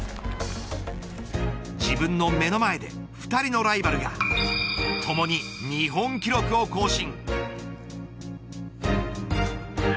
自分の目の前で２人のライバルが共に日本記録を更新。